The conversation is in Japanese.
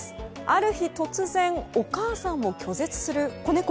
ある日突然、お母さんを拒絶する子猫。